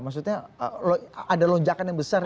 maksudnya ada lonjakan yang besar